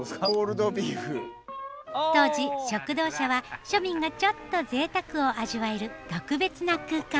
当時食堂車は庶民がちょっとぜいたくを味わえる特別な空間。